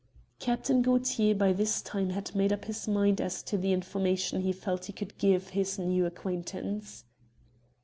Captain Gaultier by this time had made up his mind as to the information he felt he could give his new acquaintance.